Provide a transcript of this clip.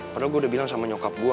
padahal gue udah bilang sama nyokap gue